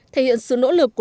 thể hiện sự nỗ lực